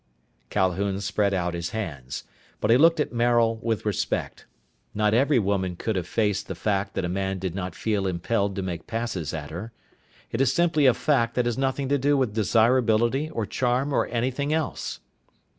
Calhoun spread out his hands. But he looked at Maril with respect. Not every woman could have faced the fact that a man did not feel impelled to make passes at her. It is simply a fact that has nothing to do with desirability or charm or anything else.